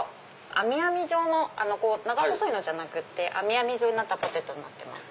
編み編み状の長細いのじゃなくて編み編み状になったポテトです。